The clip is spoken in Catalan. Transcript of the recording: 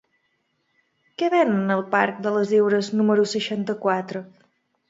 Què venen al parc de les Heures número seixanta-quatre?